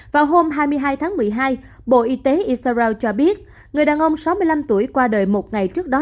vào hôm hai mươi hai tháng một mươi hai bộ y tế isarao cho biết người đàn ông sáu mươi năm tuổi qua đời một ngày trước đó